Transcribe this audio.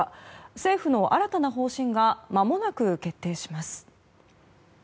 政府の新たな方針がまもなく決定します。